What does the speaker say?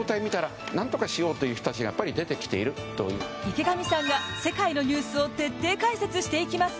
池上さんが世界のニュースを徹底解説していきます。